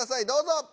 どうぞ！